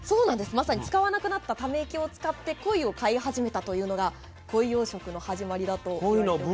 まさに使わなくなったため池を使ってコイを飼い始めたというのがコイ養殖の始まりだといわれております。